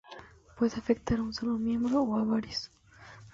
Puede afectar a un solo miembro o a varios.